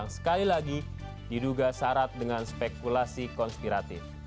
sekali lagi diduga syarat dengan spekulasi konspiratif